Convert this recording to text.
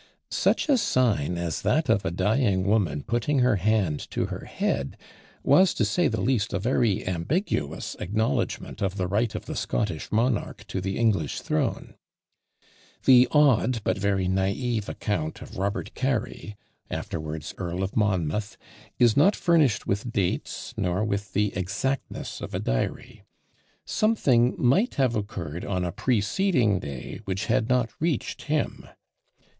Such a sign as that of a dying woman putting her hand to her head was, to say the least, a very ambiguous acknowledgment of the right of the Scottish monarch to the English throne. The "odd" but very naïve account of Robert Cary, afterwards Earl of Monmouth, is not furnished with dates, nor with the exactness of a diary. Something might have occurred on a preceding day which had not reached him.